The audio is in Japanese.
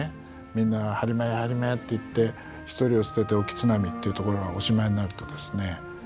みんな「播磨屋播磨屋」って言って「一人を捨てて沖津波」っていうところがおしまいになるとですね